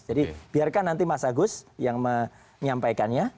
jadi biarkan nanti mas agus yang menyampaikannya